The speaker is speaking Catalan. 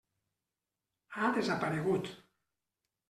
Ha desaparegut.